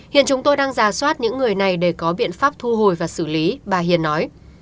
hiện chúng tôi đang giả soát những người này để có biện pháp thu hồi và xử lý bà hiền nói